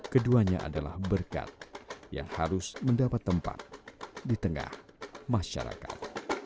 keduanya adalah berkat yang harus mendapat tempat di tengah masyarakat